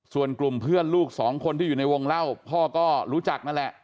ส่วนกลุ่มเพื่อนลูกสองคนที่อยู่ในวงเล่าพ่อก็รู้จักนั่นแหละ